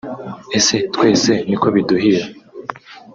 Ese twese niko biduhira